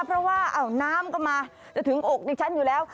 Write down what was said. เพราะว่าน้ำก็มาจะถึงอกดิฉันอยู่แล้ว